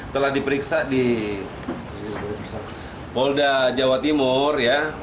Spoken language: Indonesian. telah diperiksa di polda jawa timur ya